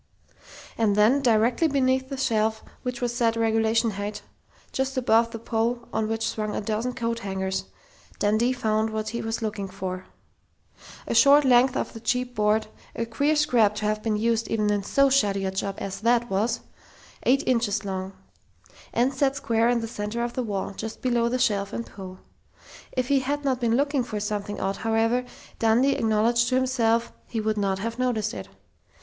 And then, directly beneath the shelf which was set regulation height, just above the pole on which swung a dozen coat hangers, Dundee found what he was looking for. A short length of the cheap board, a queer scrap to have been used even in so shoddy a job as that wall was.... Eight inches long. And set square in the center of the wall, just below the shelf and pole. If he had not been looking for something odd, however, Dundee acknowledged to himself, he would not have noticed it.